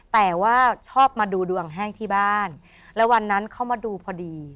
แต่ว่าชอบมาดูดวงแห้งที่บ้านแล้ววันนั้นเขามาดูพอดี